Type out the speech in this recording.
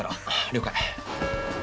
了解。